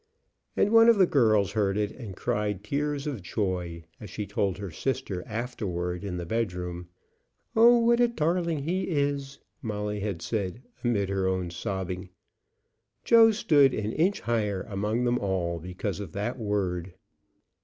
And one of the girls heard it, and cried tears of joy as she told her sister afterward in the bedroom. "Oh, what a darling he is!" Molly had said, amid her own sobbing. Joe stood an inch higher among them all because of that word.